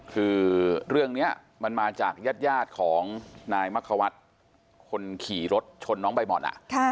คือเรื่องนี้มันมาจากญาติของนายมักควัตรคนขี่รถชนน้องใบหม่อน